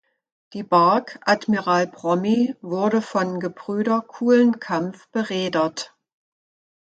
Die Bark "Admiral Brommy" wurde von Gebrüder Kulenkampff bereedert.